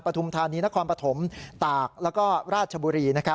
ปฐุมธานีนครปฐมตากและราชบุรี